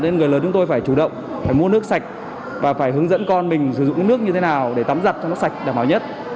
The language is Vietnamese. nên người lớn chúng tôi phải chủ động phải mua nước sạch và phải hướng dẫn con mình sử dụng nước như thế nào để tắm giặt cho nó sạch đảm bảo nhất